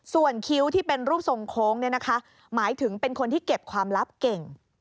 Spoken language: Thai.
ส่วนคิ้วที่เป็นรูปทรงโค้งหมายถึงเป็นคนที่เก็บความลับเก่ง